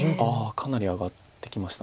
かなり上がってきました。